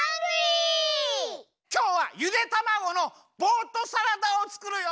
きょうはゆでたまごのボートサラダをつくるよ！